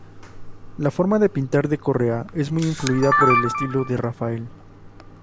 La forma de pintar de Correa está muy influida por el estilo de Rafael.